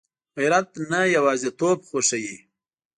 غیرت نه یوازېتوب خوښوي